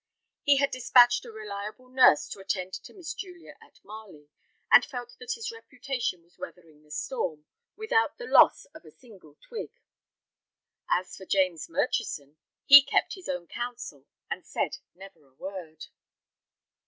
He had despatched a reliable nurse to attend to Miss Julia at Marley, and felt that his reputation was weathering the storm without the loss of a single twig. As for James Murchison, he kept his own council and said never a word.